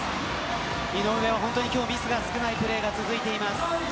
井上は今日、本当にミスが少ないプレーが続いています。